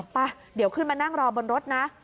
ไปเดี๋ยวขึ้นมานั่งรอบนรถนะ